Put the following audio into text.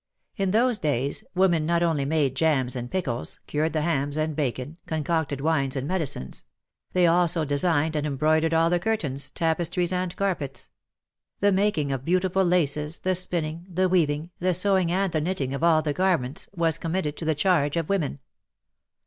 In those days women not only made jams and pickles, cured the hams and bacon, concocted wines and medicines ; they also de signed and embroidered all the curtains, tapes tries and carpets ; the making of beautiful laces, the spinning, the weaving, the sewing and the knitting of all the garments was com mitted to the charge of women.